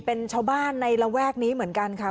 เป็นชาวบ้านในระแวกนี้เหมือนกันค่ะ